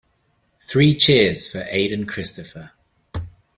Three cheers for Aden Christopher.